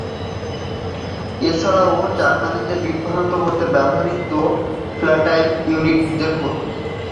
এছাড়াও জার্মানদের বিভ্রান্ত করতে ব্যবহৃত "ফ্যান্টম" ইউনিট দেখুন।